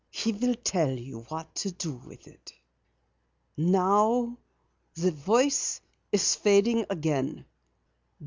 He will tell you what to do with it. Now the voice is fading again.